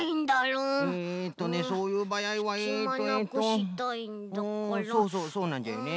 うんそうそうそうなんじゃよね。